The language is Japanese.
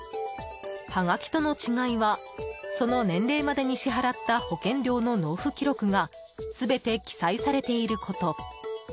はがきとの違いはその年齢までに支払った保険料の納付記録が全て記載されていること。